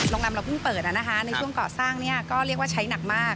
โรงนำเราเพิ่งเปิดนะฮะในช่วงเกาะสร้างนี่ก็เรียกว่าใช้หนักมาก